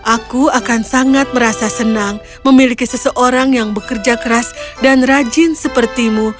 aku akan sangat merasa senang memiliki seseorang yang bekerja keras dan rajin sepertimu